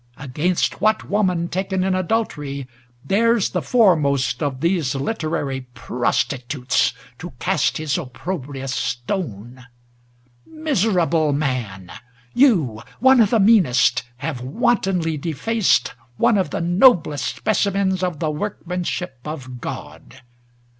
Against what woman taken in adul tery dares the foremost of these literary pros titutes to cast his opprobrious stone ? Mis erable man ! you, one of the meanest, have wantonly defaced one of the noblest specimens of the workmanship of God.